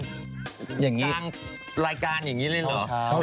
กลางรายการอย่างงี้เลยเหรอ